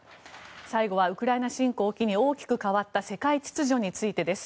最後は、ウクライナ侵攻を機に大きく変わった世界秩序についてです。